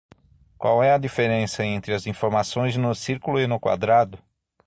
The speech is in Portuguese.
Qual é a diferença entre as informações no círculo e no quadrado?